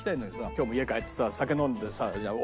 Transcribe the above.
今日も家帰ってさ酒飲んでさ